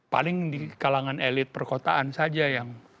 paling di kalangan elit perkotaan saja yang